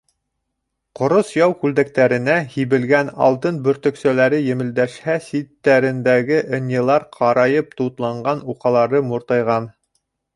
Ҡорос яу күлдәктәренә һибелгән алтын бөртөксәләре емелдәшһә, ситтәрендәге ынйылар ҡарайып тутланған, уҡалары муртайған.